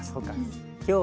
今日はね